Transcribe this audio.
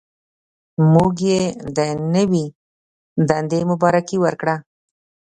موږ یې د نوې دندې مبارکي ورکړه.